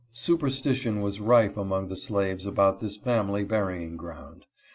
Superstition was rife among the slaves about this family burying ground.